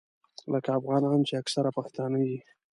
لکه افغانان چې اکثره پښتانه دي.